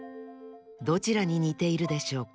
どちらににているでしょうか？